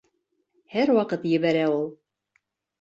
Һәр ваҡыт ебәрә ул.